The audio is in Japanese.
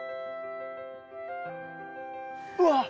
うわっ！